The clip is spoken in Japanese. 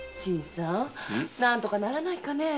何とかならないかねェ。